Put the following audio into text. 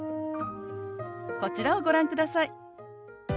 こちらをご覧ください。